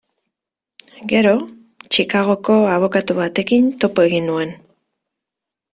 Gero, Chicagoko abokatu batekin topo egin nuen.